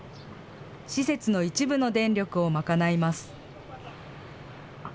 施設の一部の電力を賄います。